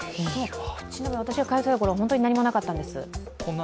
ちなみに私が通っていた頃、全く何もなかったんです。